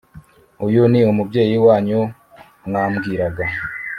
Uyu ni umubyeyi wanyu mwambwiraga